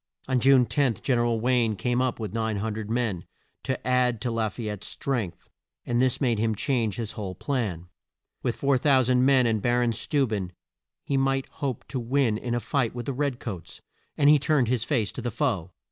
On June 10, Gen er al Wayne came up with 900 men, to add to La fay ette's strength, and this made him change his whole plan. With 4,000 men and Ba ron Steu ben he might hope to win in a fight with the red coats, and he turned his face to the foe.